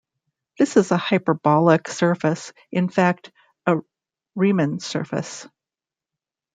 This is a hyperbolic surface, in fact, a Riemann surface.